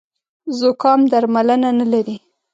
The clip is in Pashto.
زوکام درملنه نه لري